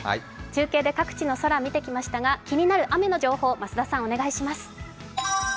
中継で各地の空を見てきましたが気になる雨の情報をお願いします。